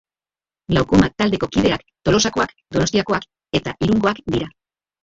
Glaukoma taldeko kideak Tolosakoak, Donostiakoak eta Irungoak dira.